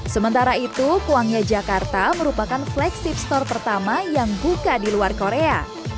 sementara itu kuangnya jakarta merupakan flagship store pertama yang buka di luar korea